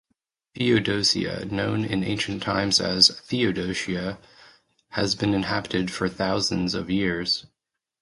Feodosia, known in ancient times as Theodosia, has been inhabited for thousands of years.